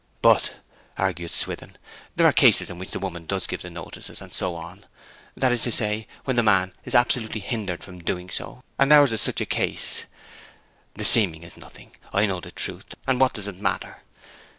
'But,' argued Swithin, 'there are cases in which the woman does give the notices, and so on; that is to say, when the man is absolutely hindered from doing so; and ours is such a case. The seeming is nothing; I know the truth, and what does it matter?